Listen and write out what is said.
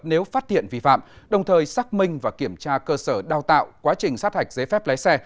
nếu phát hiện vi phạm đồng thời xác minh và kiểm tra cơ sở đào tạo quá trình sát hạch giấy phép lái xe